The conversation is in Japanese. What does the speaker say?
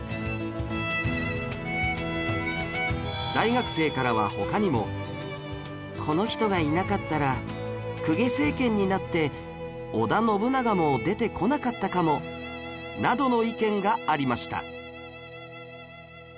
大学生からは他にも「この人がいなかったら公家政権になって織田信長も出てこなかったかも」などの意見がありました